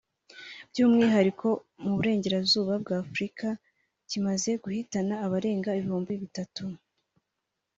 by’umwihariko mu Burengerazuba bwa Afurika kimaze guhitana abarenga ibihumbi bitatu